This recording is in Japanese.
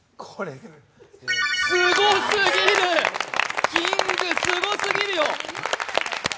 すごすぎるキングすごすぎるよ。